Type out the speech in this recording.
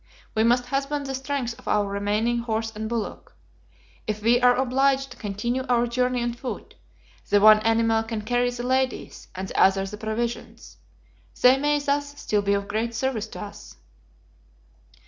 We must husband the strength of our remaining horse and bullock. If we are obliged to continue our journey on foot, the one animal can carry the ladies and the other the provisions. They may thus still be of great service to us."